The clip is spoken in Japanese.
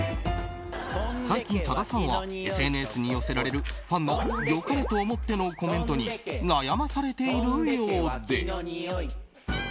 最近、多田さんはＳＮＳに寄せられるファンの良かれと思ってのコメントに悩まされているようで。